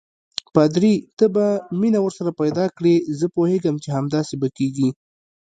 پادري: ته به مینه ورسره پیدا کړې، زه پوهېږم چې همداسې به کېږي.